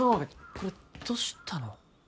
これどうしたの？